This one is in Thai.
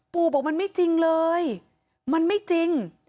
ปู่บอกมันไม่จริงเลยมันไม่จริง